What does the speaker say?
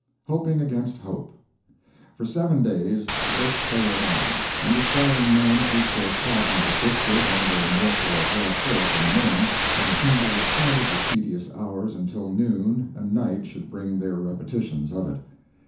HOPING AGAINST HOPE For seven days the boats sailed on, and the starving men ate their fragment of biscuit and their morsel of raw pork in the morning, and hungrily counted the tedious hours until noon and night should bring their repetitions of it.